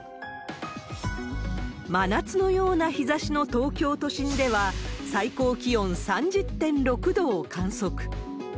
真夏のような日ざしの東京都心では、最高気温３０．６度を観測。